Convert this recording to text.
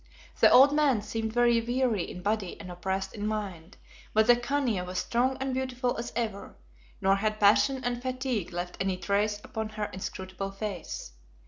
The old man seemed very weary in body and oppressed in mind, but the Khania was strong and beautiful as ever, nor had passion and fatigue left any trace upon her inscrutable face.